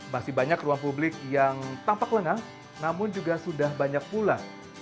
masih banyak ruang publik yang tampak lenang namun juga sudah banyak pula yang mulai berubah